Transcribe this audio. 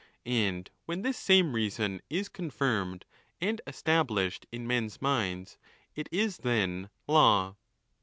And when this same reason is confirmed and estax blished in men's minds, it is then law.